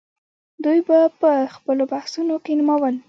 دوی به په خپلو بحثونو کې نومول.